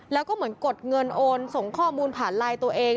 แล้วก็เหมือนกดเงินโอนส่งข้อมูลผ่านไลน์ตัวเอง